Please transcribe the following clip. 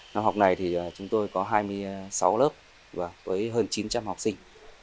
năm học này chúng tôi có hai mươi sáu lớp với hơn chín trăm linh học sinh